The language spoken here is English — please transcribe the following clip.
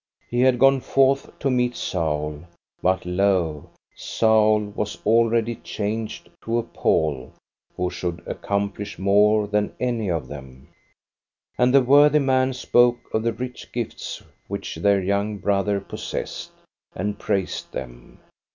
He had gone forth to meet Saul, but lo, Saul was already changed to a Paul, who should accomplish more than any of them. And the worthy man spoke of the rich gifts which their young brother possessed, and praised them.